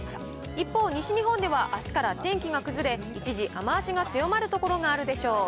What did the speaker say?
一方、西日本ではあすから天気が崩れ、一時、雨足が強まる所があるでしょう。